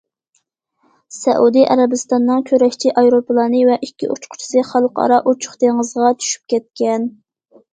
سەئۇدى ئەرەبىستاننىڭ كۈرەشچى ئايروپىلانى ۋە ئىككى ئۇچقۇچىسى خەلقئارا ئۇچۇق دېڭىزغا چۈشۈپ كەتكەن.